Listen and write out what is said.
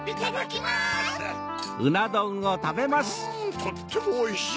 とってもおいしい！